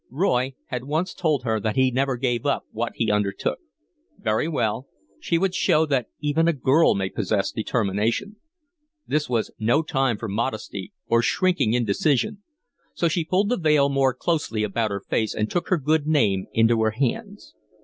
Roy had once told her that he never gave up what he undertook. Very well, she would show that even a girl may possess determination. This was no time for modesty or shrinking indecision, so she pulled the veil more closely about her face and took her good name into her hands.